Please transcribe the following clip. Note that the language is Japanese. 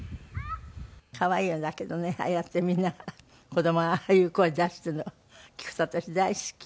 可愛いのだけどねああやってみんな子どもがああいう声出してるの聞くと私大好き。